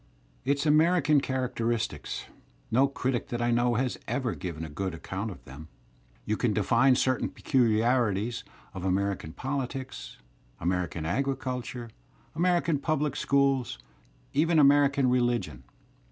Its "Ajuerican" characteristics — no critic that I know has ever given a good accoimt of them. You can define certain peculiarities of American poUtics, American agriculture, American pubUc schools, even American religion.